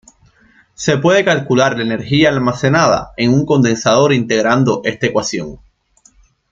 Se puede calcular la energía almacenada en un condensador integrando esta ecuación.